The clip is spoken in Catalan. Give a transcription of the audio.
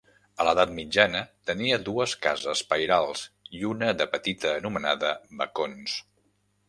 A l'Edat Mitjana tenia dues cases pairals, i una de petita anomenada Bacons.